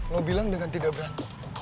lo bilang dengan tidak berani